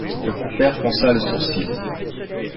Le compère fronça le sourcil.